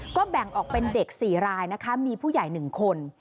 ก็แบ่งออกเป็นเด็ก๔รายนะคะมีผู้ใหญ่๑คน